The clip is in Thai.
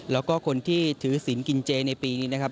แล้วก็คนที่ถือศิลป์กินเจในปีนี้นะครับ